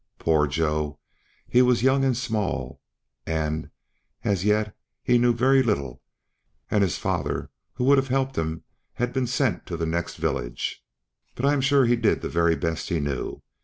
Poor Joe! he was young and small, and as yet he knew very little, and his father, who would have helped him, had been sent to the next village; but I am sure he did the very best he knew.